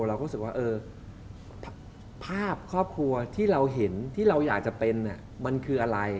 เราก็รู้สึกว่าภาพครอบครัวที่เราเห็นที่เราอยากจะเป็นมันคืออะไร